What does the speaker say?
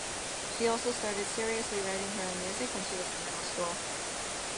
She also started seriously writing her own music when she was in middle school.